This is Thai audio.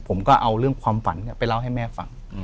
ผมก็เอาเรื่องความฝันไปเล่าให้แม่ฟัง